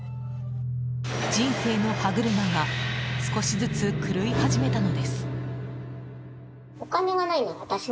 人生の歯車が少しずつ狂い始めたのです。